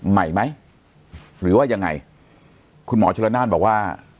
ใหม่ไหมหรือว่ายังไงคุณหมอชนละนานบอกว่า